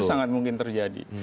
itu sangat mungkin terjadi